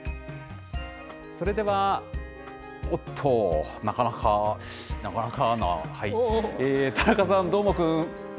それでは、おっと、なかなかな、田中さん、どーもくん。